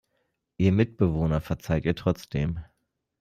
Ihr Mitbewohner verzeiht ihr trotzdem.